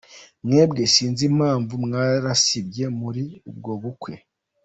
Mwebwe sinzi impamvu mwarasibye muri ubwo bukwe.